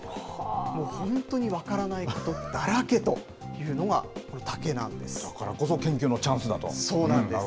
もう本当に分からないことだらけだからこそ研究のチャンスだそうなんです。